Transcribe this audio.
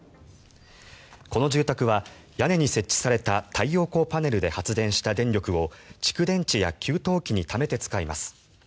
この住宅は屋根に設置された太陽光パネルで発電した電力を蓄電池や給湯機にためて使います。